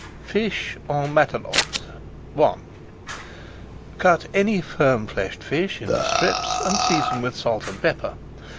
FISH EN MATELOTE I Cut any firm fleshed fish into strips and season with salt and pepper.